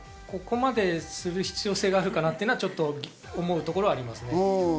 ここまでする必要性があるのかなって、ちょっと思うところはあります。